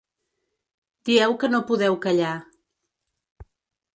Dieu que no podeu callar.